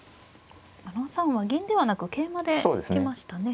７三は銀ではなく桂馬で行きましたね。